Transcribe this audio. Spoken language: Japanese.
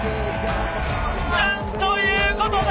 なんということだ！